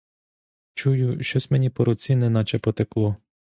Чую, щось мені по руці неначе потекло.